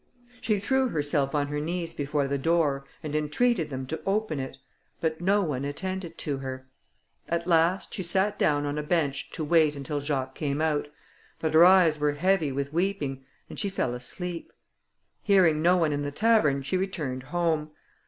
She threw herself on her knees before the door, and entreated them to open it: but no one attended to her. At last, she sat down on a bench to wait until Jacques came out; but her eyes were heavy with weeping, and she fell asleep. Hearing no one in the tavern, she returned home.